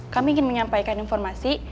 kami ingin menyampaikan informasi